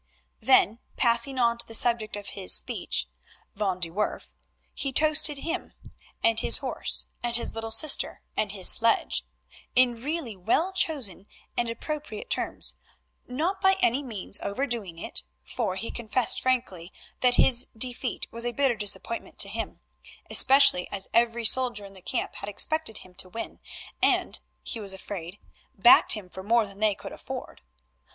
Then, passing on to the subject of his speech, Van de Werff, he toasted him and his horse and his little sister and his sledge, in really well chosen and appropriate terms, not by any means overdoing it, for he confessed frankly that his defeat was a bitter disappointment to him, especially as every solder in the camp had expected him to win and—he was afraid—backed him for more than they could afford.